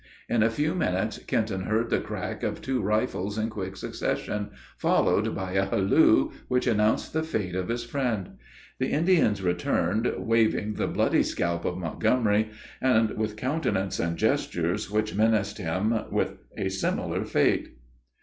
In a few minutes Kenton heard the crack of two rifles in quick succession, followed by a halloo, which announced the fate of his friend. The Indians returned, waving the bloody scalp of Montgomery, and with countenances and gestures which menaced him with a similar fate.